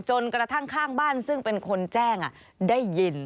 จนกระทั่งข้างบ้านซึ่งเป็นคนแจ้งได้ยิน